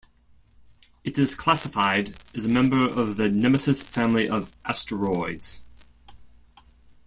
It is classified as a member of the Nemesis family of asteroids.